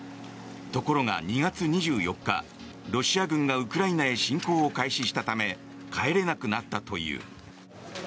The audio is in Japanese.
ところが２月２４日、ロシア軍がウクライナへ侵攻を開始したため帰れなくなったという。